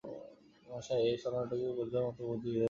মশায়, এ ছলনাটুকু বোঝবার মতো বুদ্ধি বিধাতা আমাকে দিয়েছেন।